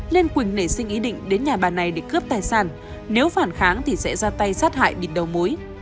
nên quỳnh nảy sinh ý định đến nhà bà này để cướp tài sản nếu phản kháng thì sẽ ra tay sát hại bịt đầu mối